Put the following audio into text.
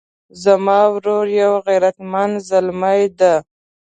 زما ورور یو غیرتمند زلمی ده